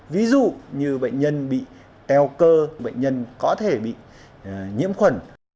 ví dụ như bệnh nhân bị teo cơ bệnh nhân có thể bị nhiễm khuẩn